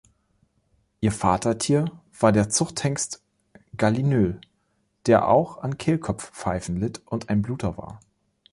Ihr Vatertier war der Zuchthengst Gallinule, der auch an Kehlkopfpfeifen litt und ein Bluter war.